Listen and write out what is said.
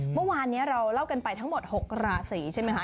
เมื่อวานนี้เราเล่ากันไปทั้งหมด๖ราศีใช่ไหมคะ